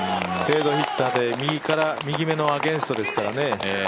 フェードヒッターで右目のアゲンストですからね。